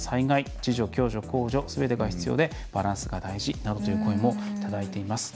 自助、共助、公助すべてが必要でバランスが大事」などという声もいただいています。